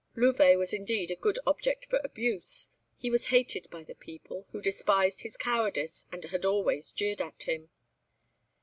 Louvet was indeed a good object for abuse; he was hated by the people, who despised his cowardice and had always jeered at him.